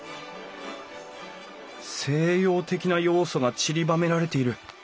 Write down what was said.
西洋的な要素がちりばめられている。